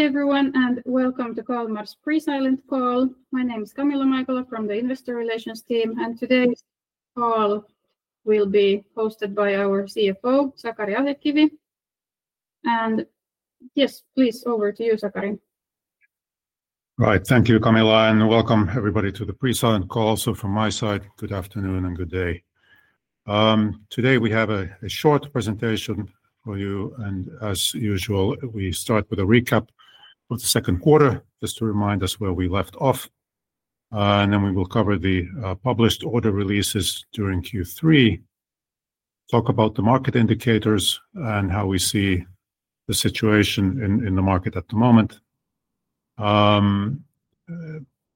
Hi everyone, and welcome to Kalmar's pre-silent call. My name is Camilla Maikola from the Investor Relations team, and today's call will be hosted by our CFO, Sakari Ahdekivi. Yes, please, over to you, Sakari. Right, thank you, Camilla, and welcome everybody to the pre-silent call. From my side, good afternoon and good day. Today we have a short presentation for you, and as usual, we start with a recap of the second quarter just to remind us where we left off. We will cover the published order releases during Q3, talk about the market indicators, and how we see the situation in the market at the moment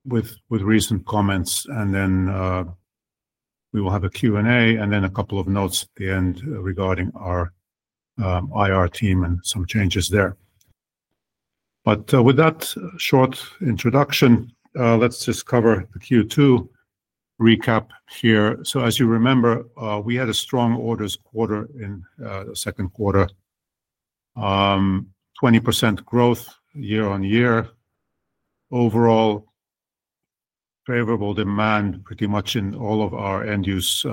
with recent comments. We will have a Q&A and then a couple of notes at the end regarding our IR team and some changes there. With that short introduction, let's just cover the Q2 recap here. As you remember, we had a strong orders quarter in the second quarter, 20% growth year-on-year, overall favorable demand pretty much in all of our end-use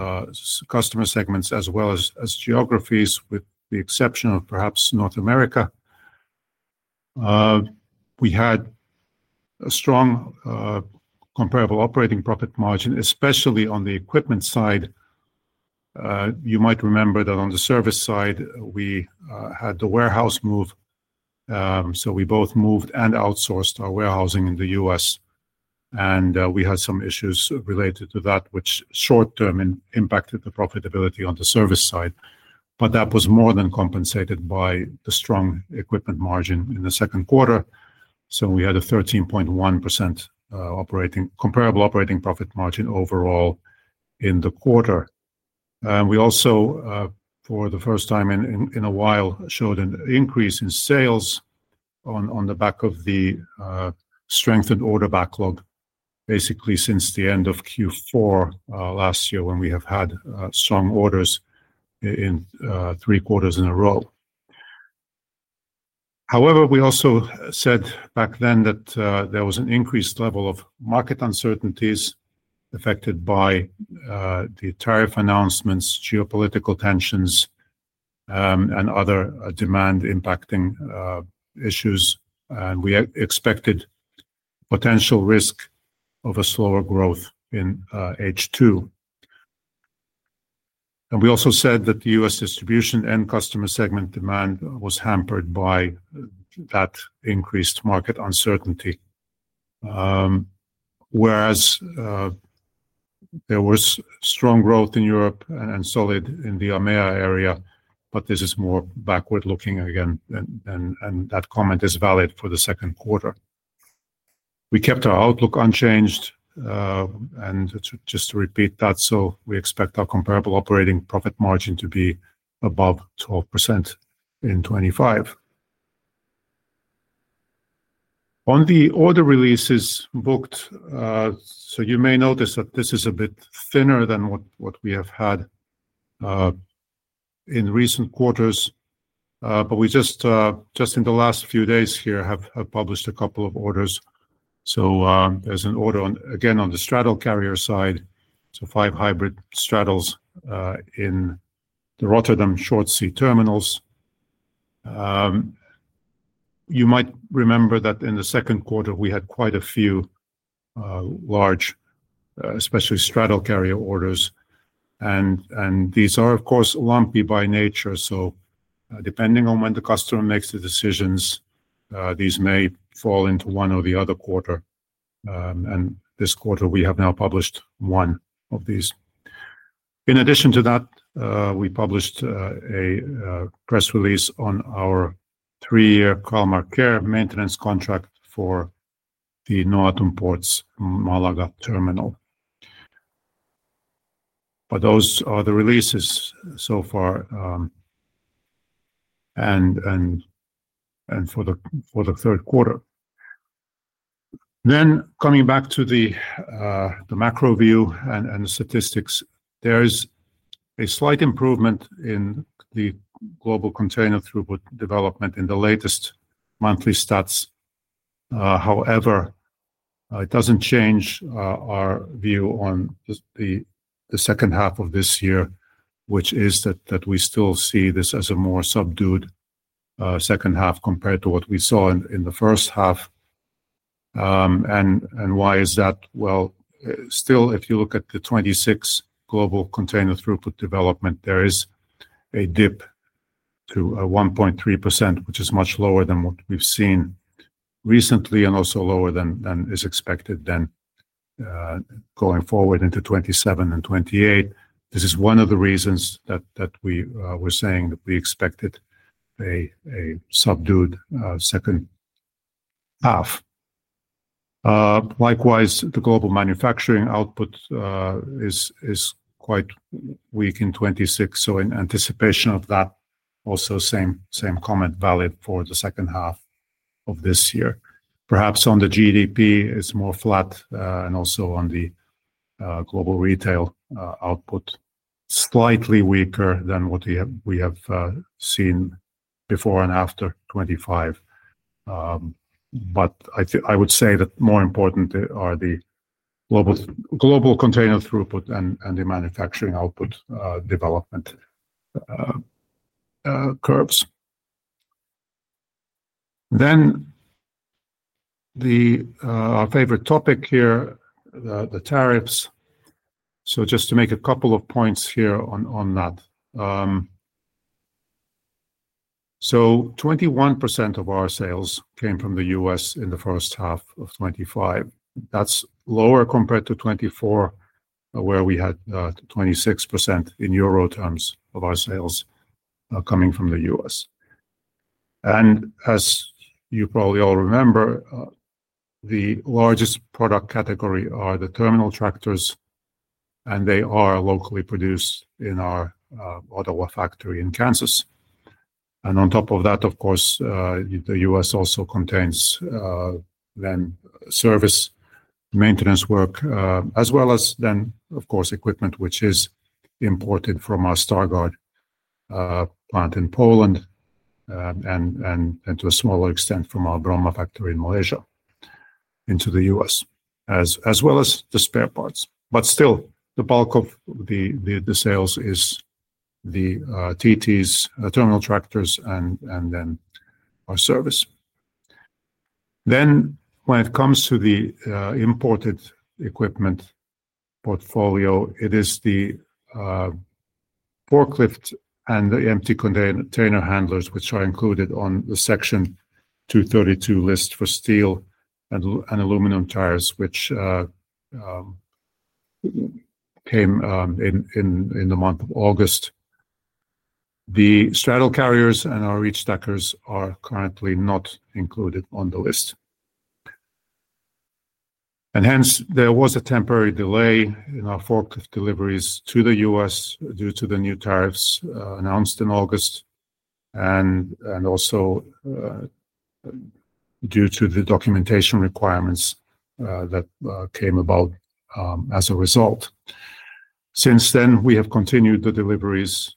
customer segments as well as geographies, with the exception of perhaps North America. We had a strong comparable operating profit margin, especially on the equipment side. You might remember that on the service side, we had the warehouse move. We both moved and outsourced our warehousing in the U.S., and we had some issues related to that, which short-term impacted the profitability on the service side. That was more than compensated by the strong equipment margin in the second quarter. We had a 13.1% comparable operating profit margin overall in the quarter. We also, for the first time in a while, showed an increase in sales on the back of the strengthened order backlog, basically since the end of Q4 last year, when we have had strong orders in three quarters in a row. We also said back then that there was an increased level of market uncertainties affected by the tariff announcements, geopolitical tensions, and other demand-impacting issues. We expected potential risk of a slower growth in H2. We also said that the U.S. distribution and customer segment demand was hampered by that increased market uncertainty, whereas there was strong growth in Europe and solid in the AMEA area. This is more backward looking again, and that comment is valid for the second quarter. We kept our outlook unchanged, and just to repeat that, we expect our comparable operating profit margin to be above 12% in 2025. On the order releases booked, you may notice that this is a bit thinner than what we have had in recent quarters, but just in the last few days here, we have published a couple of orders. There's an order again on the straddle carrier side, five hybrid straddle carriers in the Rotterdam Short Sea Terminals. You might remember that in the second quarter, we had quite a few large, especially straddle carrier orders, and these are, of course, lumpy by nature. Depending on when the customer makes the decisions, these may fall into one or the other quarter. This quarter, we have now published one of these. In addition to that, we published a press release on our three-year Kalmar Care maintenance contract for the Noatum Ports Malaga terminal. Those are the releases so far for the third quarter. Coming back to the macro view and the statistics, there's a slight improvement in the global container throughput development in the latest monthly stats. However, it doesn't change our view on the second half of this year, which is that we still see this as a more subdued second half compared to what we saw in the first half. If you look at the 2026 global container throughput development, there is a dip to 1.3%, which is much lower than what we've seen recently and also lower than is expected going forward into 2027 and 2028. This is one of the reasons that we were saying that we expected a subdued second half. Likewise, the global manufacturing output is quite weak in 2026, so in anticipation of that, also the same comment is valid for the second half of this year. Perhaps on the GDP, it's more flat, and also on the global retail output, slightly weaker than what we have seen before and after 2025. I would say that more important are the global container throughput and the manufacturing output development curves. Our favorite topic here, the tariffs. Just to make a couple of points here on that. 21% of our sales came from the U.S. in the first half of 2025. That's lower compared to 2024, where we had 26% in euro terms of our sales coming from the U.S. As you probably all remember, the largest product category is the terminal tractors, and they are locally produced in our Ottawa factory in Kansas. On top of that, the U.S. also contains service maintenance work, as well as equipment which is imported from our Stargard plant in Poland and to a smaller extent from our Bromma factory in Malaysia into the U.S., as well as the spare parts. Still, the bulk of the sales is the TTs, the terminal tractors, and then our service. When it comes to the imported equipment portfolio, it is the forklift and the empty container handlers which are included on the Section 232 list for steel and aluminum tires, which came in the month of August. The straddle carriers and our reach stackers are currently not included on the list. There was a temporary delay in our forklift deliveries to the U.S. due to the new tariffs announced in August and also due to the documentation requirements that came about as a result. Since then, we have continued the deliveries,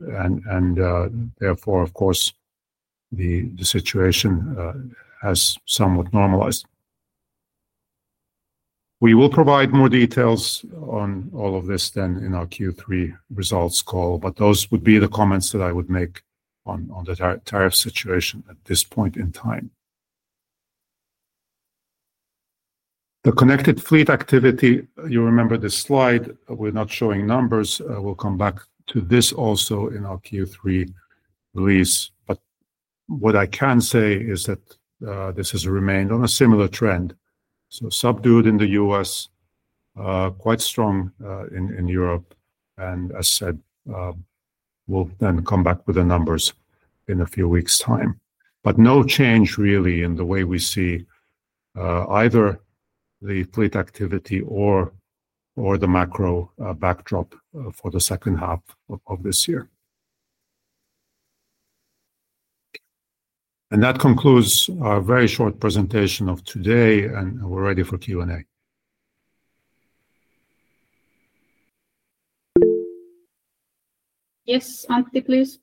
and therefore, of course, the situation has somewhat normalized. We will provide more details on all of this in our Q3 results call, but those would be the comments that I would make on the tariff situation at this point in time. The connected fleet activity, you remember this slide, we're not showing numbers. We'll come back to this also in our Q3 release. What I can say is that this has remained on a similar trend, subdued in the U.S., quite strong in Europe, and as said, we'll then come back with the numbers in a few weeks' time. No change really in the way we see either the fleet activity or the macro backdrop for the second half of this year. That concludes our very short presentation of today, and we're ready for Q&A. Yes, [Ankiti], please.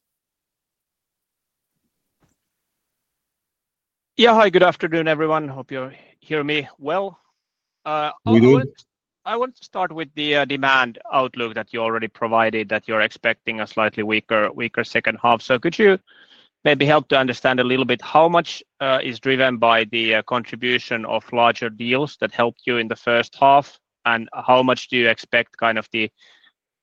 Yeah, hi, good afternoon everyone. Hope you hear me well. I want to start with the demand outlook that you already provided, that you're expecting a slightly weaker second half. Could you maybe help to understand a little bit how much is driven by the contribution of larger deals that helped you in the first half, and how much do you expect the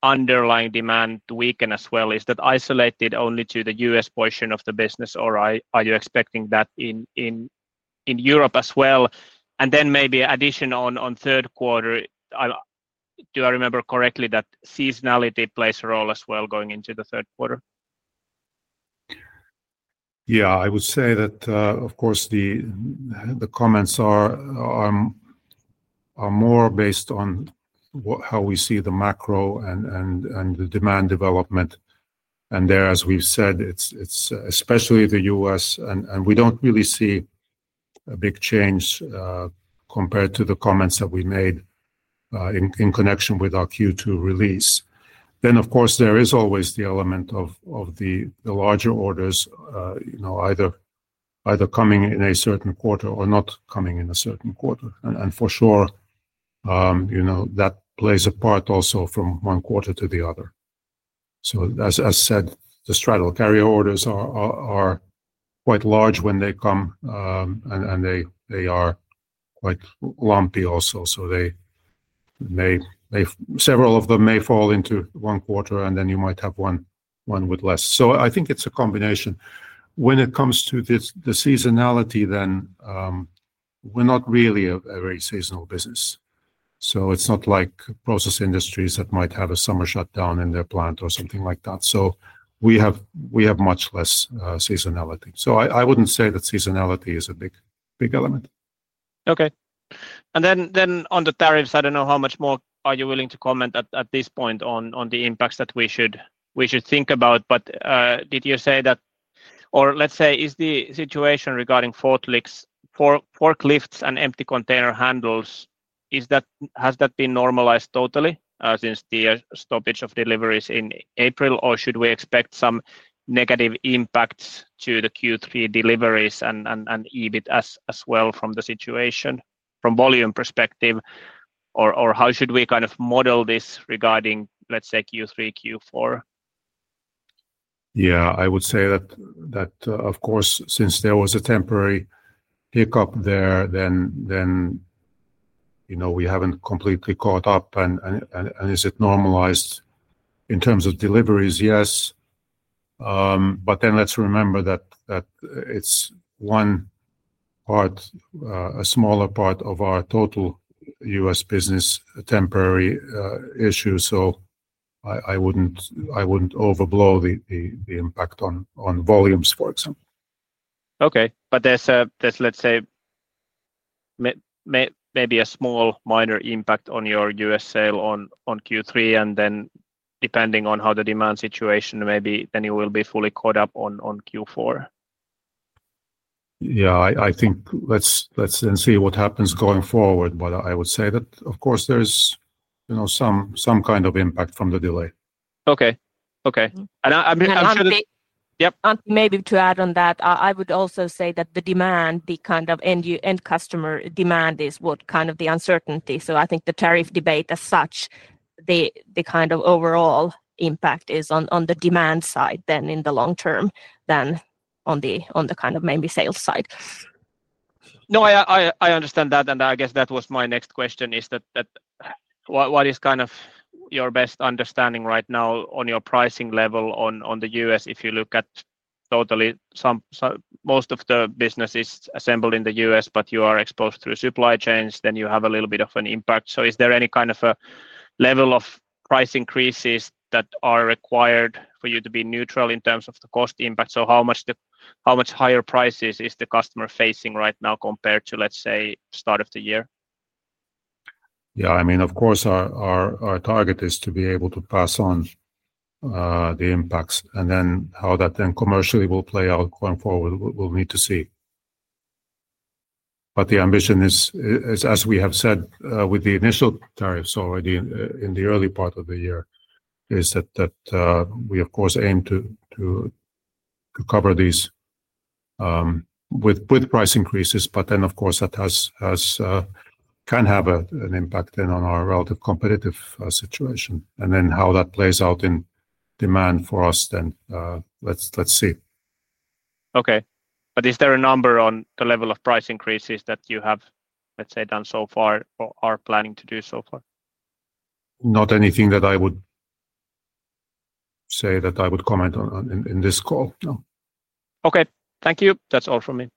underlying demand to weaken as well? Is that isolated only to the U.S. portion of the business, or are you expecting that in Europe as well? Maybe additional on third quarter, do I remember correctly that seasonality plays a role as well going into the third quarter? Yeah, I would say that, of course, the comments are more based on how we see the macro and the demand development. There, as we've said, it's especially the U.S., and we don't really see a big change compared to the comments that we made in connection with our Q2 release. Of course, there is always the element of the larger orders, you know, either coming in a certain quarter or not coming in a certain quarter. For sure, you know, that plays a part also from one quarter to the other. As I said, the straddle carrier orders are quite large when they come, and they are quite lumpy also. Several of them may fall into one quarter, and then you might have one with less. I think it's a combination. When it comes to the seasonality, we're not really a very seasonal business. It's not like process industries that might have a summer shutdown in their plant or something like that. We have much less seasonality. I wouldn't say that seasonality is a big element. Okay. On the tariffs, I don't know how much more are you willing to comment at this point on the impacts that we should think about. Did you say that, or is the situation regarding forklifts and electric empty container handlers, has that been normalized totally since the stoppage of deliveries in April, or should we expect some negative impacts to the Q3 deliveries and EBIT as well from the situation from a volume perspective? How should we kind of model this regarding Q3, Q4? Yeah, I would say that, of course, since there was a temporary hiccup there, we haven't completely caught up. Is it normalized in terms of deliveries? Yes. Let's remember that it's one part, a smaller part of our total U.S. business, a temporary issue. I wouldn't overblow the impact on volumes, for example. Okay. There's maybe a small minor impact on your U.S. sale in Q3, and then depending on how the demand situation may be, you will be fully caught up in Q4. I think let's then see what happens going forward. I would say that, of course, there's some kind of impact from the delay. Okay. I'm sure that... Yeah, Ankiti, maybe to add on that, I would also say that the demand, the kind of end-user customer demand is what kind of the uncertainty. I think the tariff debate as such, the kind of overall impact is on the demand side in the long term than on the kind of maybe sales side. I understand that. I guess that was my next question: what is your best understanding right now on your pricing level in the U.S.? If you look at it, most of the business is assembled in the U.S., but you are exposed to supply chains, then you have a little bit of an impact. Is there any level of price increases that are required for you to be neutral in terms of the cost impact? How much higher are prices the customer is facing right now compared to, let's say, the start of the year? Of course, our target is to be able to pass on the impacts. How that commercially will play out going forward, we'll need to see. The ambition is, as we have said with the initial tariffs already in the early part of the year, that we aim to cover these with price increases. Of course, that can have an impact on our relative competitive situation. How that plays out in demand for us, let's see. Okay. Is there a number on the level of price increases that you have, let's say, done so far or are planning to do so far? Not anything that I would say that I would comment on in this call. No. Okay, thank you. That's all from me.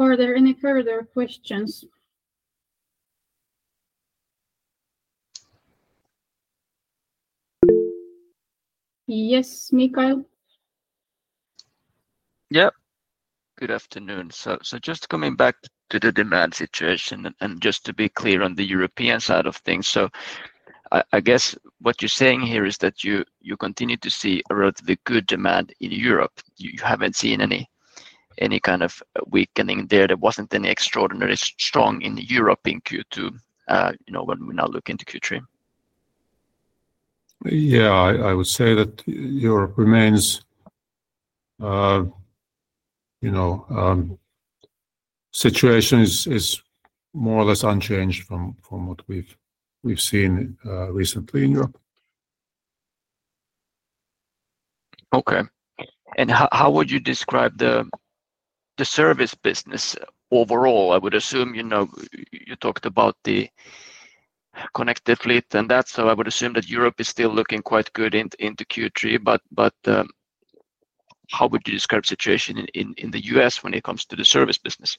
Are there any further questions? Yes, Mikael. Yeah. Good afternoon. Just coming back to the demand situation, and just to be clear on the European side of things, I guess what you're saying here is that you continue to see a relatively good demand in Europe. You haven't seen any kind of weakening there. There wasn't anything extraordinarily strong in Europe in Q2, when we now look into Q3. Yeah, I would say that Europe remains, you know, the situation is more or less unchanged from what we've seen recently in Europe. Okay. How would you describe the service business overall? I would assume, you know, you talked about the connected fleet and that. I would assume that Europe is still looking quite good into Q3. How would you describe the situation in the U.S. when it comes to the service business?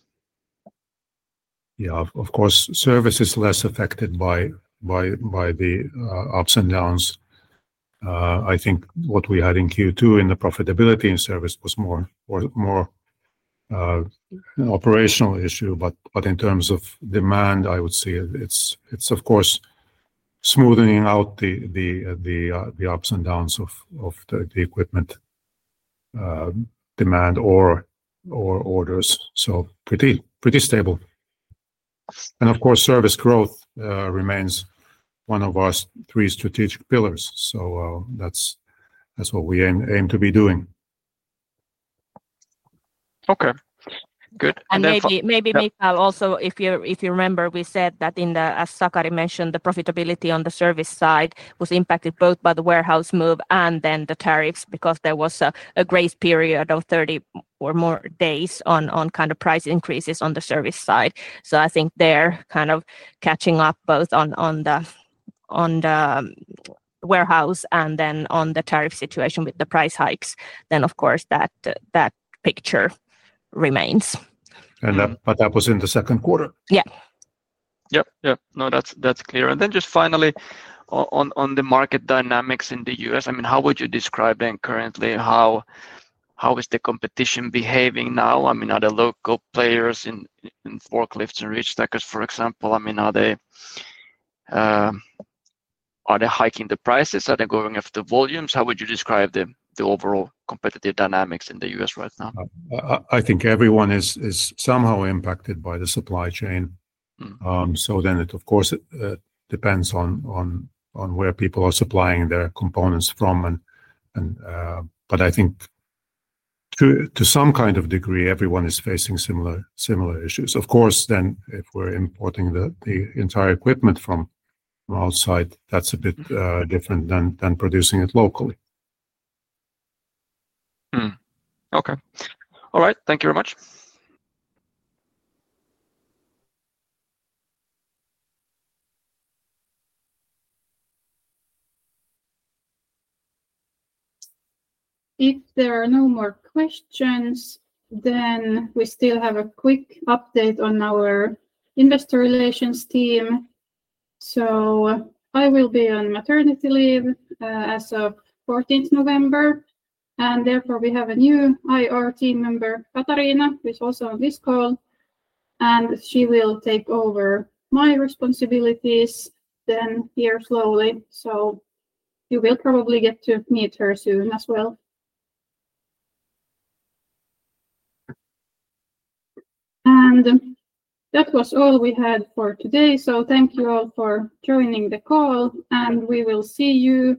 Yeah, of course, service is less affected by the ups and downs. I think what we had in Q2 in the profitability in service was more an operational issue. In terms of demand, I would say it's, of course, smoothing out the ups and downs of the equipment demand or orders, so pretty stable. Of course, service growth remains one of our three strategic pillars. That's what we aim to be doing. Okay. Good. Maybe Mikael also, if you remember, we said that, as Sakari mentioned, the profitability on the service side was impacted both by the warehouse move and the tariffs because there was a grace period of 30 or more days on price increases on the service side. I think they're catching up both on the warehouse and the tariff situation with the price hikes. Of course, that picture remains. That was in the second quarter. Yeah. Yeah, that's clear. Finally, on the market dynamics in the U.S., how would you describe them currently? How is the competition behaving now? Are the local players in forklifts and reach stackers, for example, hiking the prices? Are they going after volumes? How would you describe the overall competitive dynamics in the U.S. right now? I think everyone is somehow impacted by the supply chain. It, of course, depends on where people are supplying their components from. I think to some kind of degree, everyone is facing similar issues. Of course, if we're importing the entire equipment from outside, that's a bit different than producing it locally. Okay, all right. Thank you very much. If there are no more questions, we still have a quick update on our Investor Relations team. I will be on maternity leave as of 14th November. Therefore, we have a new IR team member, Katarina, who's also on this call. She will take over my responsibilities here slowly. You will probably get to meet her soon as well. That was all we had for today. Thank you all for joining the call. We will see you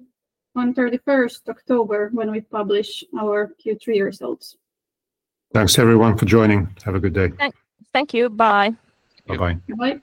on 31st October when we publish our Q3 results. Thanks everyone for joining. Have a good day. Thank you. Bye. Bye-bye.